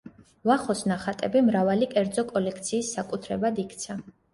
ვახოს ნახატები მრავალი კერძო კოლექციის საკუთრებად იქცა.